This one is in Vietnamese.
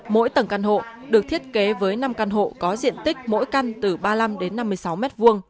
mỗi tầng căn hộ được thiết kế với năm căn hộ có diện tích mỗi căn từ ba mươi năm đến năm mươi sáu m hai